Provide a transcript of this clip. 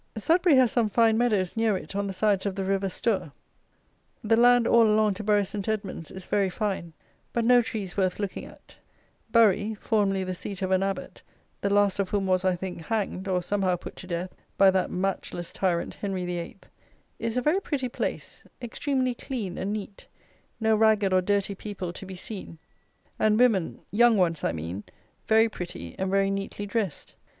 SUDBURY has some fine meadows near it on the sides of the river Stour. The land all along to Bury Saint Edmund's is very fine; but no trees worth looking at. Bury, formerly the seat of an Abbot, the last of whom was, I think, hanged, or somehow put to death, by that matchless tyrant, Henry VIII., is a very pretty place; extremely clean and neat; no ragged or dirty people to be seen, and women (young ones I mean) very pretty and very neatly dressed.